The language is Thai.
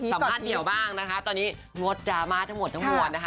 เหมียวบ้างนะคะตอนนี้งดดราม่าทั้งหมดทั้งมวลนะคะ